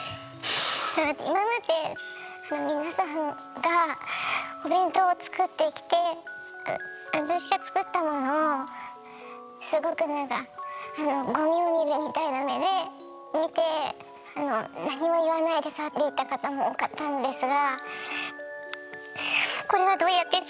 今まで皆さんがお弁当を作ってきて私が作ったものをすごくなんかゴミを見るみたいな目で見てあの何も言わないで去っていった方も多かったんですが。